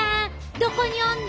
どこにおんの？